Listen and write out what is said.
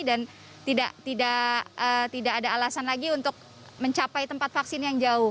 tidak ada alasan lagi untuk mencapai tempat vaksin yang jauh